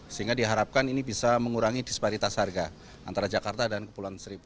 sehingga diharapkan ini bisa mengurangi disparitas harga antara jakarta dan kepulauan seribu